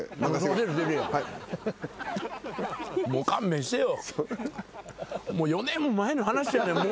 もう勘弁してよ。